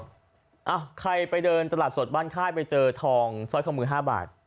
เอ้าใครไปเดินตลาดสถบันคลายจะได้ทอมซ้อสคมมือ๕บาท